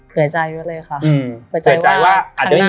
เผื่อใจก็เลยค่ะ